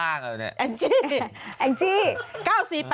อันจี